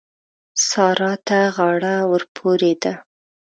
سارا ته غاړه ورپورې ده.